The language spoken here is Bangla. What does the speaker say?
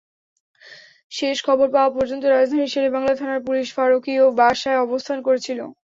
শেষ খবর পাওয়া পর্যন্ত রাজধানীর শেরে বাংলা থানার পুলিশ ফারুকীর বাসায় অবস্থান করছিল।